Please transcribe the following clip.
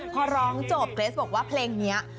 พอร้องจบเกรมาล้ออนบอกจะประมาณนะ